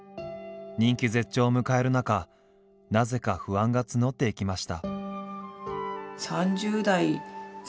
人気絶頂を迎える中なぜか不安が募っていきました。